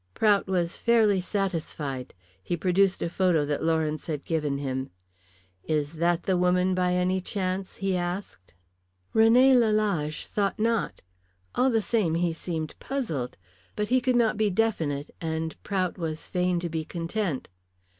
Prout was fairly satisfied. He produced a photo that Lawrence had given him. "Is that the woman by any chance?" he asked. René Lalage thought not. All the same, he seemed puzzled. But he could not be definite, and Prout was fain to be content.